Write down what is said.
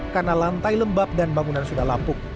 karena lantai lembab dan bangunan sudah lapuk